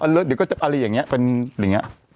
เดี๋ยวก็จะอะไรอย่างนี้เป็นอย่างนี้